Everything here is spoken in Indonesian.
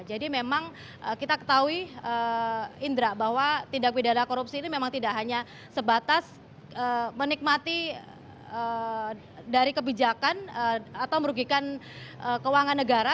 jadi memang kita ketahui indra bahwa tindak pidana korupsi ini memang tidak hanya sebatas menikmati dari kebijakan atau merugikan keuangan negara